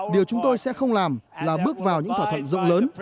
điều chúng tôi sẽ không làm là bước vào những thỏa thuận rộng lớn